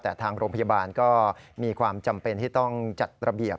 แต่ทางโรงพยาบาลก็มีความจำเป็นที่ต้องจัดระเบียบ